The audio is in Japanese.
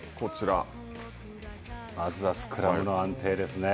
まずはスクラムの安定ですね。